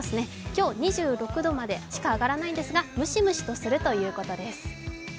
今日、２６度までしか上がらないんですがむしむしとするということです。